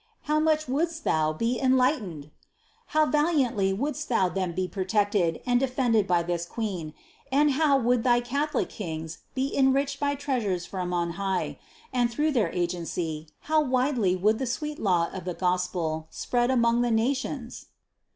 How much wouldst thou be enlightened! How valiantly wouldst thou then be protected and defended by this Queen, and how would thy Catholic kings be enriched by treasures from on high, and through their agency, how widely would the sweet law of the Gospel spread among the nations!